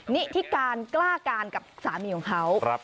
นี่ที่กล้าการกับสามีของเขา